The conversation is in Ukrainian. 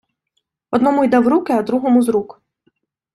Одному йде в руки, а другому — з рук.